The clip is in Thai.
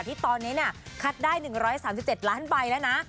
ที่ตอนนี้คัดได้๑๓๗ล้านใบแล้วนะ